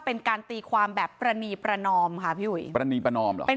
เป็นการตีความแบบประณีประนอมค่ะพี่อุ๋ยประณีประนอมเหรอ